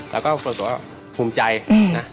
แล้วก็แตกตัวภูมิใจนะ